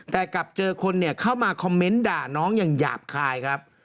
แต่กลับเจอคนเข้ามาคอมเมนต์ด่าน้องอย่างหยาบคายครับ